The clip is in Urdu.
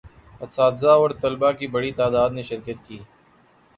اساتذہ و طلباء کی بڑی تعداد نے شرکت کی